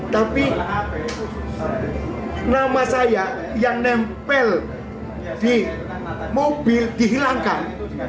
tapi nama saya yang nempel di mobil dihilangkan